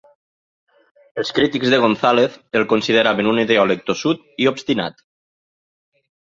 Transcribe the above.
Els crítics de Gonzalez el consideraven un ideòleg tossut i obstinat.